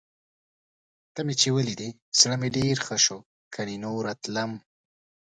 ته مې چې ولیدې، زړه مې ډېر ښه شو. کني نوره تلم.